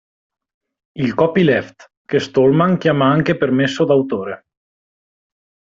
Il copyleft, che Stallman chiama anche permesso d'autore.